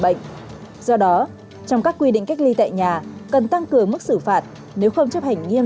bệnh do đó trong các quy định cách ly tại nhà cần tăng cường mức xử phạt nếu không chấp hành nghiêm